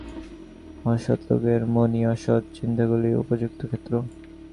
অসৎ লোকের মনই অসৎ চিন্তাগুলির উপযুক্ত ক্ষেত্র।